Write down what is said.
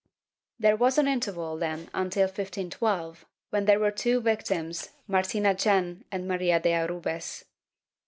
There was an interval then until 1512, when there were two victims, Martina Gen and Maria de Arbues.